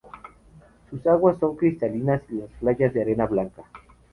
Sus aguas son cristalinas y las playas de arena blanca.